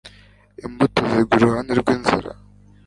imbuto zigwa iruhande rw inzira